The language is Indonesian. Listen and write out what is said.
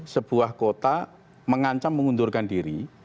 sebuah kota mengancam mengundurkan diri